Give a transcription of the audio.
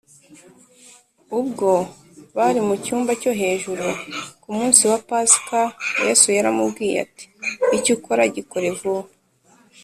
ubwo bari mu cyumba cyo hejuru ku munsi wa pasika yesu yaramubwiye ati, “icyo ukora gikore vuba”